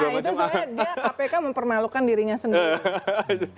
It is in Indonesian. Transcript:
nah itu sebenarnya dia kpk mempermalukan dirinya sendiri